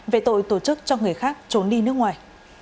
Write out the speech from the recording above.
về tội tổ chức cho người khác trốn đi nước ngoài